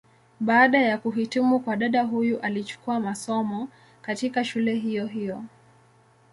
Baada ya kuhitimu kwa dada huyu alichukua masomo, katika shule hiyo hiyo.